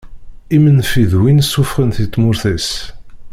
Imenfi d win sufɣen si tmurt-is.